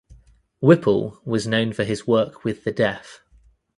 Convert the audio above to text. Whipple was known for his work with the deaf.